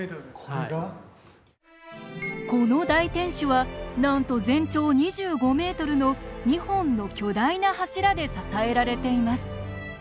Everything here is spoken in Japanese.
この大天守はなんと全長２５ｍの２本の巨大な柱で支えられています。